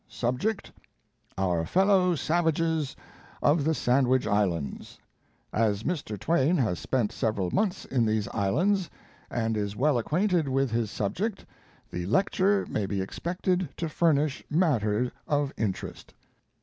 SUBJECT: "Our Fellow Savages of the Sandwich Islands." As Mr. TWAIN has spent several months in these Islands, and is well acquainted with his subject, the Lecture may be expected to furnish matter of interest.